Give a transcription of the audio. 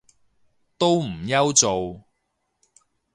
都唔憂做